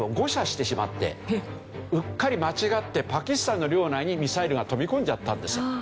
うっかり間違ってパキスタンの領内にミサイルが飛び込んじゃったんですよ。